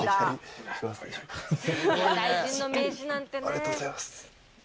ありがとうございます。